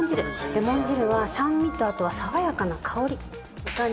レモン汁は酸味とあとは爽やかな香りがね